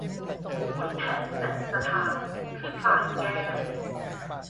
ขุนแผนแสนสะท้าน คือพลายแก้ว